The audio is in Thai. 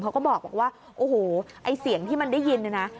เขาก็บอกว่าโอ้โฮไอ้เสียงที่มันได้ยิน